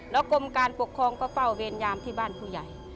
แล้วกรมการปกครองก็เฝ้าเวรยามที่บ้านผู้ใหญ่